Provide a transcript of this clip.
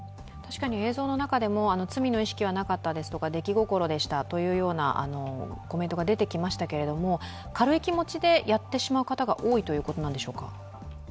映像の中でも罪の意識はなかったですとか出来心でしたというようなコメントが出てきましたけれども、軽い気持ちでやってしまう方が多いということなんでしょうか。